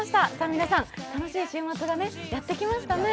皆さん、楽しい週末がやってきましたね。